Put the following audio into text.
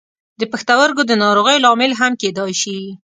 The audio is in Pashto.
د پښتورګو د ناروغیو لامل هم کیدای شي.